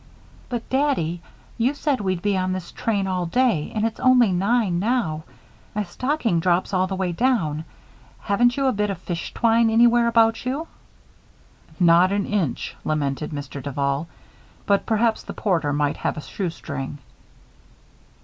"But, Daddy. You said we'd be on this train all day, and it's only nine now. My stocking drops all the way down. Haven't you a bit of fish twine anywhere about you?" "Not an inch," lamented Mr. Duval. "But perhaps the porter might have a shoestring."